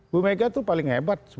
bu mega itu paling hebat